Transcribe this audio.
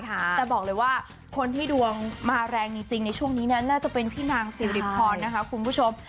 แต่บอกเลยว่าคนที่ดวงมาแรงจริงในช่วงนี้น่าจะเป็นพี่นางสิริพรนะคะคุณผู้ชม